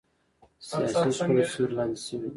سیاسي شخړو سیوري لاندې شوي.